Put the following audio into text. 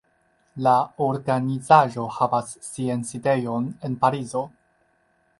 La organizaĵo havas sian sidejon en Parizo.